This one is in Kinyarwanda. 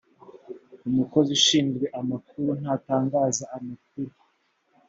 umukozi ushinzwe amakuru ntatangaza amakuru